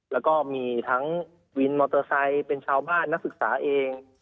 แล้วก็มีทั้งวินมอเตอร์ไซค์เป็นชาวบ้านนักศึกษาเอง